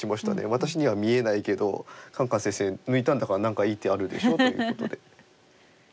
「私には見えないけどカンカン先生抜いたんだから何かいい手あるでしょ？」ということで。